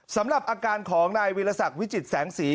สำหรับอาการของนายวิรสักวิจิตแสงสี